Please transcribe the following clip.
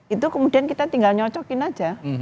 itu kemudian kita tinggal nyocokin aja